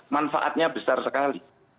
manfaatnya besar sekali